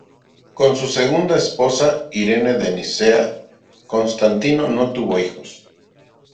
Con su segunda esposa, Irene de Nicea, Constantino no tuvo hijos.